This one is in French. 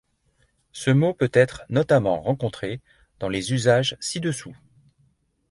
Ce mot peut être notamment rencontré dans les usages ci-dessous.